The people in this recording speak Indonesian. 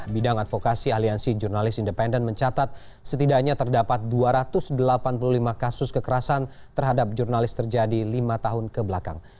bidang advokasi aliansi jurnalis independen mencatat setidaknya terdapat dua ratus delapan puluh lima kasus kekerasan terhadap jurnalis terjadi lima tahun kebelakang